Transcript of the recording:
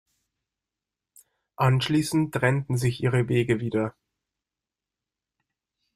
Anschließend trennten sich ihre Wege wieder.